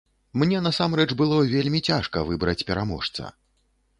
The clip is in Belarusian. Мне насамрэч было вельмі цяжка выбраць пераможца.